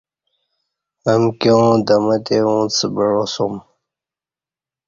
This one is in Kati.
امکیاں دمہ تی اُݩڅ بعاسوم